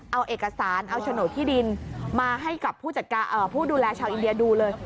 เอาเอกสารเอาโฉนดที่ดินมาให้กับผู้จัดการผู้ดูแลชาวอินเดียดูเลย